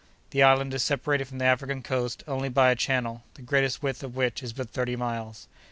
The island is separated from the African coast only by a channel, the greatest width of which is but thirty miles.